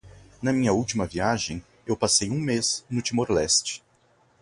Na minha última viagem eu passei um mês no Timor-Leste.